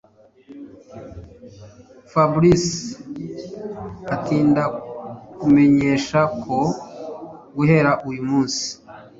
Fabric atindakumenyesha ko guhera uyu munsi